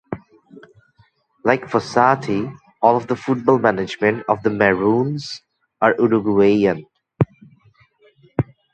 Like Fossati, all of the football management of 'The Maroons' are Uruguayan.